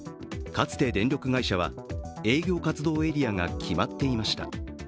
かつて電力会社は、営業活動エリアが決まっていました。